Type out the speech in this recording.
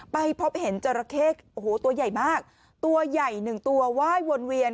ไปพบเห็นจราเข้โอ้โหตัวใหญ่มากตัวใหญ่หนึ่งตัวไหว้วนเวียน